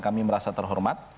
kami merasa terhormat